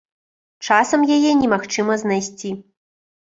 Часам яе немагчыма знайсці.